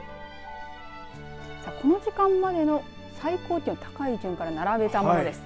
この時間までの最高気温高い順から並べたものです。